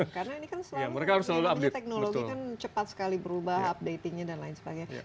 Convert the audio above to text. karena ini kan selalu teknologi kan cepat sekali berubah updatingnya dan lain sebagainya